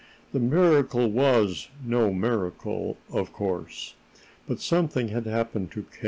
The miracle was no miracle, of course. But something had happened to K.